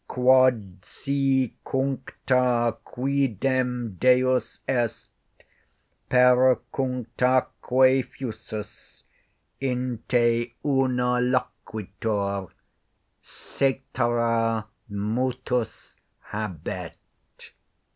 QUOD SI CUNCTA QUIDEM DEUS EST, PER CUNCTAQUE FUSUS, IN TE UNÂ LOQUITUR, CÆTERA MUTUS HABET.